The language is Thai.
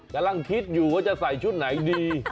กำลังคิดอยู่ว่าจะใส่ชุดไหนดี